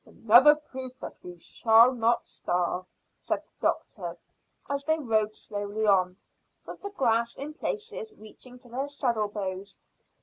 "Another proof that we shall not starve," said the doctor, as they rode slowly on, with the grass in places reaching to their saddle bows.